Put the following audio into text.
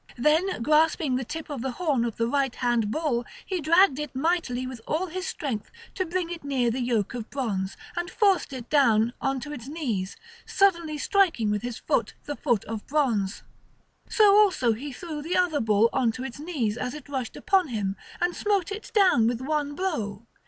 Then grasping the tip of the horn of the right hand bull, he dragged it mightily with all his strength to bring it near the yoke of bronze, and forced it down on to its knees, suddenly striking with his foot the foot of bronze. So also he threw the other bull on to its knees as it rushed upon him, and smote it down with one blow.